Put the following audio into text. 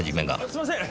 すいません。